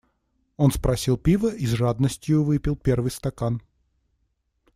Он спросил пива и с жадностию выпил первый стакан.